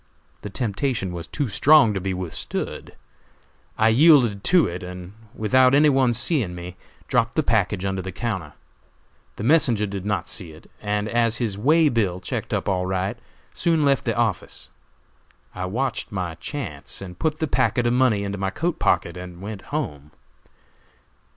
The temptation was too strong to be withstood. I yielded to it, and without any one's seeing me, dropped the package under the counter. The messenger did not see it, and as his way bill checked up all right, soon left the office. I watched my chance and put the packet of money into my coat pocket and went home.